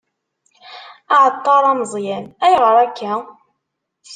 Aεeṭṭar ameẓyan: Ayγer akka?